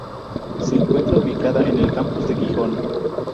Se encuentra ubicada en el campus de Gijón.